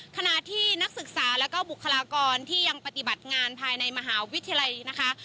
ขณะที่นักศึกษาแล้วก็บุคลากรที่ยังปฏิบัติงานภายในมหาวิทยาลัยนะคะ